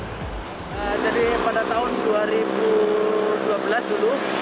jadi pada tahun dua ribu dua belas dulu